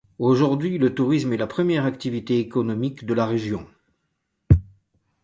Aujourd'hui, le tourisme est la première activité économique de la région.